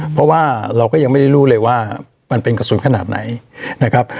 เพราะว่าเราก็ยังไม่ได้รู้เลยว่ามันเป็นกระสุนขนาดไหนนะครับ